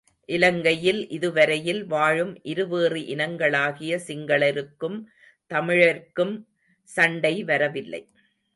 இலங்கையில் இதுவரையில் வாழும் இருவேறு இனங்களாகிய சிங்களருக்கும் தமிழர்க்கும் சண்டை வரவில்லை.